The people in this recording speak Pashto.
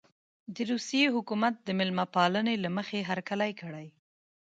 د روسیې حکومت د مېلمه پالنې له مخې هرکلی کړی.